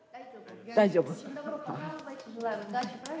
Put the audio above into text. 大丈夫？